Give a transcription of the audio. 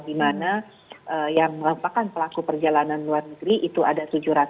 dimana yang melakukan pelaku perjalanan luar negeri itu ada tujuh ratus lima puluh enam